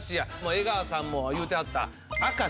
江川さんも言うてはった。